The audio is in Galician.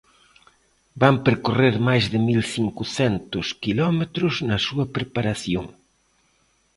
Van percorrer máis de mil cincocentos quilómetros na súa preparación.